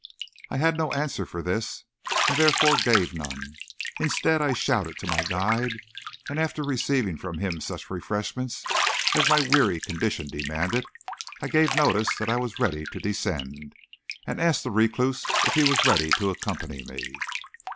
I had no answer for this, and therefore gave none. Instead I shouted to my guide, and after receiving from him such refreshments as my weary condition demanded, I gave notice that I was ready to descend, and asked the recluse if he was ready to accompany me.